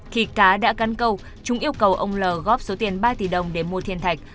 khi cá đã cắn câu chúng yêu cầu ông lóp số tiền ba tỷ đồng để mua thiên thạch